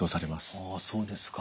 あそうですか。